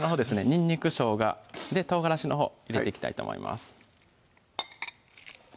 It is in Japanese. にんにく・しょうが・唐辛子のほう入れていきたいと思います